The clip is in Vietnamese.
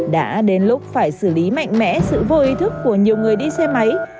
đã đến lúc phải xử lý mạnh mẽ sự vô ý thức của nhiều người đi xe máy